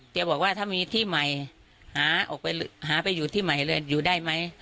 บอกว่าถ้ามีที่ใหม่หาออกไปหาไปอยู่ที่ใหม่เลยอยู่ได้ไหม